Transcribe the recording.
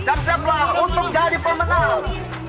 siap siap lah untuk jadi pemenang